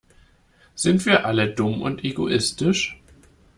Sind wir alle dumm und egoistisch?